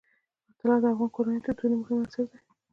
طلا د افغان کورنیو د دودونو مهم عنصر دی.